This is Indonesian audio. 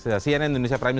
cnn indonesia prime